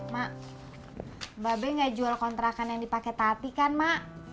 mak mbak be gak jual kontrakan yang dipake tadi kan mak